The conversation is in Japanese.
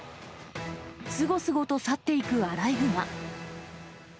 すごすごと去っていくアライグマ。